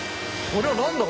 これは何だ？